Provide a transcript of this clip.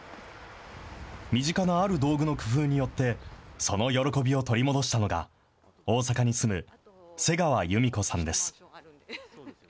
身近なある道具の工夫によって、その喜びを取り戻したのが、大阪に住む瀬川裕美子さんです。